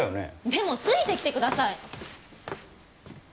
でもついてきて下さい。